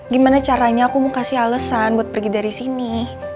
gimana caranya aku mau kasih alesan buat pergi dari sini